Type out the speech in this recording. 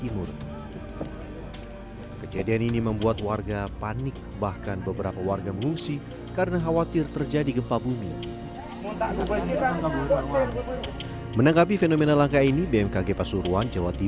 bunyi tumpukan di dalam bumi